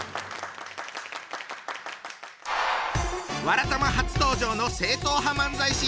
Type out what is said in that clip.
「わらたま」初登場の正統派漫才師。